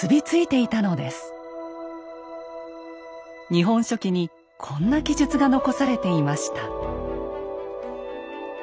「日本書紀」にこんな記述が残されていました。